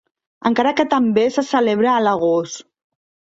Encara que també se celebra a l'agost.